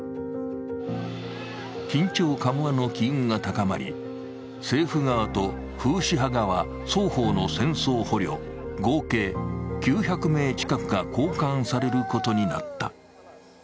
緊張緩和の機運が高まり、政府側とフーシ派側双方の戦争捕虜、合計９００名近くが交換されることになった。